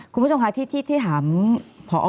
คุณผู้ชมคะที่ถามพอ